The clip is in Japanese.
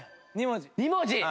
２文字！